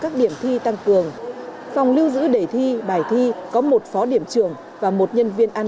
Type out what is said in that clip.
các điểm thi tăng cường phòng lưu giữ đề thi bài thi có một phó điểm trường và một nhân viên an